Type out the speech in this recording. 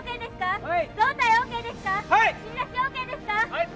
はい！